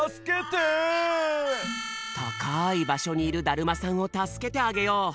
たかいばしょにいるだるまさんを助けてあげよう！